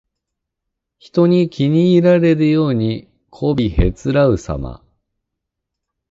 人に気に入られるようにこびへつらうさま。